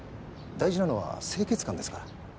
大事なのは清潔感ですから。